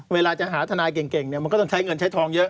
เวลาจะหาทนายเก่งเนี่ยมันก็ต้องใช้เงินใช้ทองเยอะ